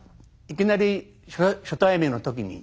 いきなり初対面の時に。